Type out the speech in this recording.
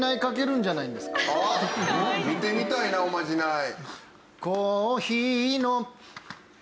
見てみたいなおまじない。